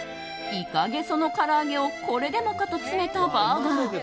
イカゲソのから揚げをこれでもかと詰めたバーガー。